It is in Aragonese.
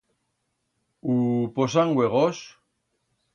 U posan uegos?